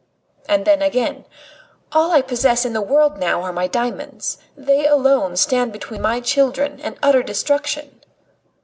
And then again: "All I possess in the world now are my diamonds. They alone stand between my children and utter destitution."